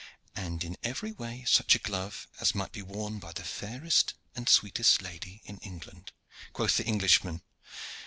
'And in every way such a glove as might be worn by the fairest and sweetest lady in England,' quoth the Englishman.